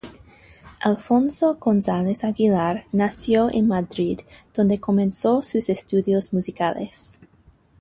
Alfonso González Aguilar nació en Madrid, donde comenzó sus estudios musicales.